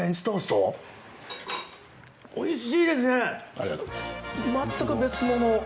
ありがとうございます。